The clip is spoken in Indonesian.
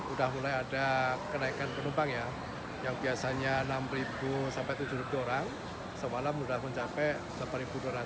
udah mulai ada kenaikan penumpangnya yang biasanya enam ribu sampai tujuh ratus dua orang semalam udah mencapai delapan ribu dua ratus